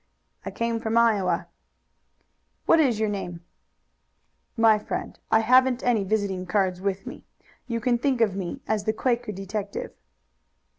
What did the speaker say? "I came from Iowa." "What is your name?" "My friend, I haven't any visiting cards with me. You can think of me as the Quaker detective."